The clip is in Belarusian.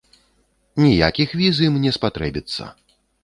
Ніякіх віз ім не спатрэбіцца.